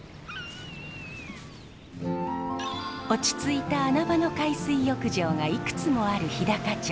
落ち着いた穴場の海水浴場がいくつもある日高町